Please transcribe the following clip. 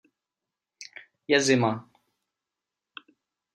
Je zima.